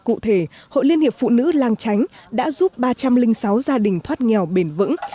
cụ thể hội liên hiệp phụ nữ lang chánh đã giúp ba trăm linh sáu gia đình thoát nghèo bền vững